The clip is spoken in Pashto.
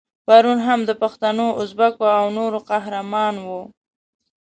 پرون هم د پښتنو، ازبکو او نورو قهرمان وو.